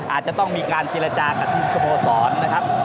อาจจะต้องมีการเจรจากับทุกสโมสรนะครับ